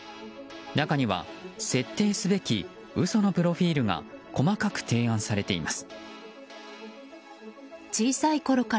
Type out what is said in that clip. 中には、設定すべき嘘のプロフィールが細かく提案されています。